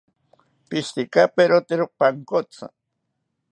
Pishirikaperotero pankotzi